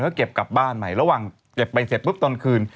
ก็เก็บกลับบ้านใหม่ระหว่างเก็บไปเสร็จปุ๊บตอนคืน